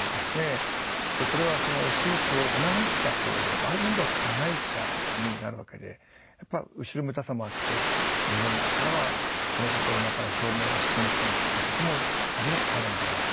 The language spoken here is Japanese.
これは手術を促したほうである意味では加害者になるわけでやっぱり後ろめたさもあって自分らからはこのことを今から表明はしにくいってことも多分あるんだろうと。